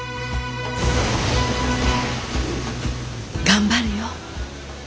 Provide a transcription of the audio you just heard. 頑張るよ。